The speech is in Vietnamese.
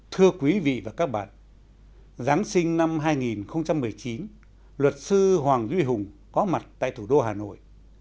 thưa quý vị và các bạn giáng sinh năm hai nghìn một mươi chín luật sư hoàng duy hùng có mặt tại thủ đô hà nội